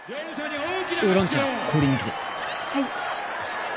・はい。